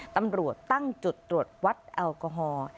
ตำรวจตั้งจุดตรวจวัดแอลกอฮอล์